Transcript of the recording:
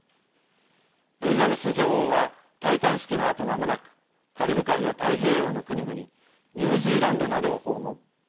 エリザベス女王は戴冠式のあとまもなくカリブ海や太平洋の国々ニュージーランドなどを訪問。